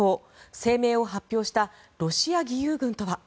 声明を発表したロシア義勇軍とは？